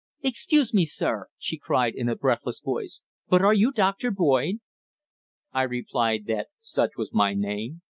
"Excuse me, sir," she cried, in a breathless voice, "but are you Doctor Boyd?" I replied that such was my name.